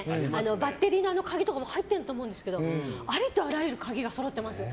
バッテリーの鍵とかも入ってると思うんですけどありとあらゆる鍵がそろってます。